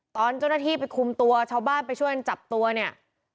ตอนเจ้าหน้าที่ไปคุมตัวชาวบ้านไปช่วยกันจับตัวเนี่ย